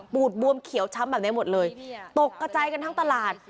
บวมเขียวช้ำแบบนี้หมดเลยตกกระจายกันทั้งตลาด